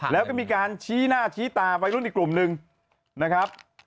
แล้วก็มีการชี้หน้าชี้ตาวัยรุ่นอีกกลุ่มหนึ่งนะครับ